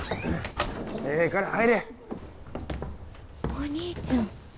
お兄ちゃん。